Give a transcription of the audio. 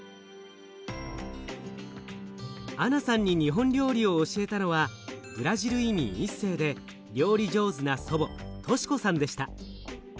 アナさんに日本料理を教えたのはブラジル移民一世で料理上手な祖母トシコさんでした。